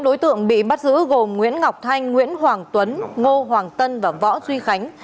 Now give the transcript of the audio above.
năm đối tượng bị bắt giữ gồm nguyễn ngọc thanh nguyễn hoàng tuấn ngô hoàng tân và võ duy khánh